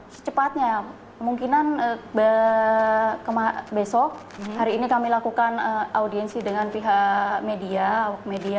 secepatnya kemungkinan besok hari ini kami lakukan audiensi dengan pihak media